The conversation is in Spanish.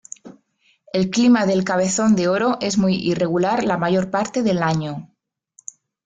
El clima del Cabezón de Oro es muy irregular la mayor parte del año.